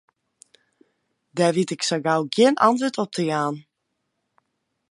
Dêr wit ik sa gau gjin antwurd op te jaan.